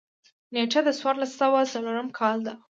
نېټه د څوارلس سوه څلورم کال ده.